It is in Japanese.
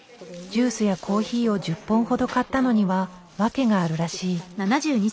ジュースやコーヒーを１０本ほど買ったのには訳があるらしい。